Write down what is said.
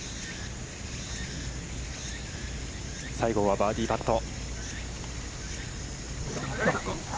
西郷はバーディーパット。